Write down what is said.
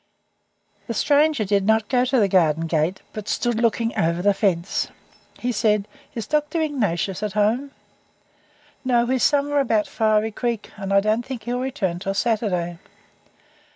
The stranger did not go to the garden gate, but stood looking over the fence. He said: "Is Dr. Ignatius at home?" "No, he is away somewhere about Fiery Creek, and I don't think he'll return until Saturday."